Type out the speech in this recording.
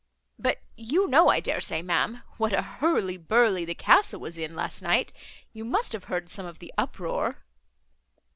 But you know, I dare say, ma'am, what a hurly burly the castle was in last night; you must have heard some of the uproar."